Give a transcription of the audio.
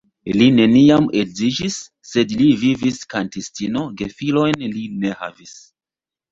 Li neniam edziĝis, sed li vivis kantistino, gefilojn li ne havis.